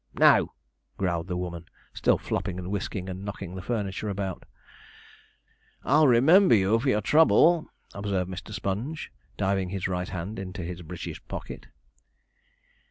'No,' growled the woman, still flopping, and whisking, and knocking the furniture about. 'I'll remember you for your trouble,' observed Mr. Sponge, diving his right hand into his breeches' pocket.